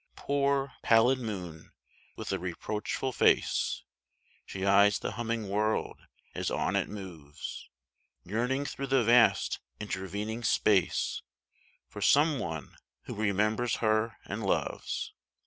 Poor, pallid moon, with a reproachful face She eyes the humming world as on it moves, Yearning through the vast intervening space For some one who remembers her and loves.